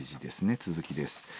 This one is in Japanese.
続きです。